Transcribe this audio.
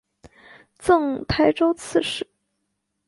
赠台州刺史。